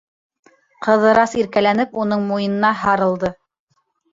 Ҡыҙырас иркәләнеп уның муйынына һарылды.